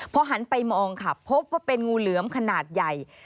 พอหันไปมองค่ะพบว่าเป็นงูเหลือมขนาดใหญ่